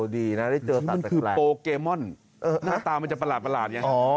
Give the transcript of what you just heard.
ดีนะได้เจอตัวแต่แกรกมันคือโปเกมอนหน้าตามันจะประหลาดอย่างนี้